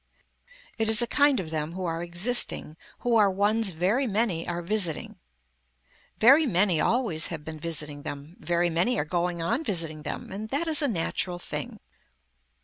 It is a kind of them who are existing who are ones very many are visiting. Very many always have been visiting them. Very many are going on visiting them and that is a natural thing.